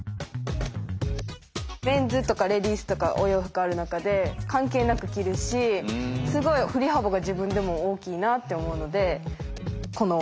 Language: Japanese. メンズとかレディースとかお洋服ある中で関係なく着るしすごい振り幅が自分でも大きいなって思うのでこの真ん中ぐらいにしました。